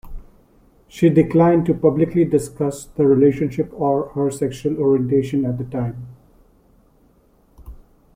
She declined to publicly discuss the relationship or her sexual orientation at the time.